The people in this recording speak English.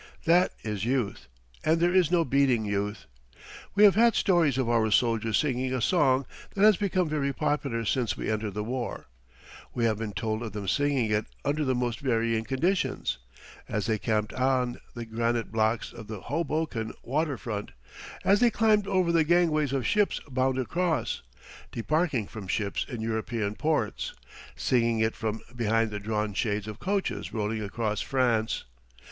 That is youth; and there is no beating youth. We have had stories of our soldiers singing a song that has become very popular since we entered the war. We have been told of them singing it under the most varying conditions: as they camped on the granite blocks of the Hoboken water front; as they climbed over the gangways of ships bound across; debarking from ships in European ports; singing it from behind the drawn shades of coaches rolling across France.